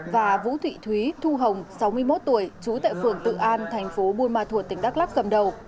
và vũ thị thúy thu hồng sáu mươi một tuổi trú tại phường tự an thành phố buôn ma thuột tỉnh đắk lắc cầm đầu